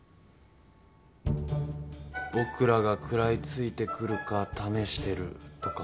僕らが食らいついてくるか試してるとか？